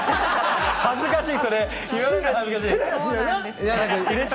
恥ずかしい！